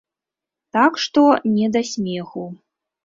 Так што не да смеху.